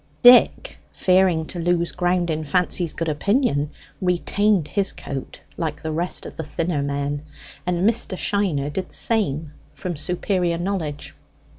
Dick, fearing to lose ground in Fancy's good opinion, retained his coat like the rest of the thinner men; and Mr. Shiner did the same from superior knowledge.